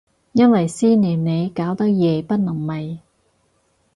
因為思念你搞到夜不能寐